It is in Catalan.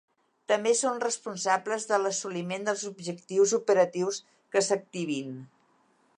També són responsables de l'assoliment dels objectius operatius que s'activin.